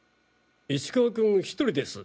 石川君１人です。